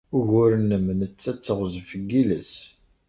Ugur-nnem netta d teɣzef n yiles.